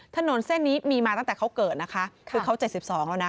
ถนนเส้นนี้มีมาตั้งแต่เขาเกิดนะคะคือเขา๗๒แล้วนะ